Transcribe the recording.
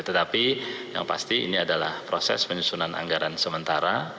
tetapi yang pasti ini adalah proses penyusunan anggaran sementara